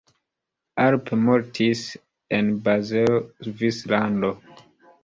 Arp mortis en Bazelo, Svislando.